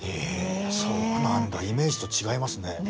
そうなんだイメージと違いますね。